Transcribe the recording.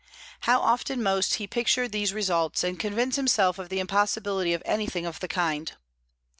How often most he picture these results, and convince himself of the impossibility of anything of the kind?